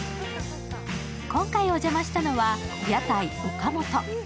今回お邪魔したのは屋台おかもと。